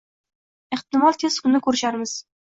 Ehtimol, tez kunda ko’risharmiz.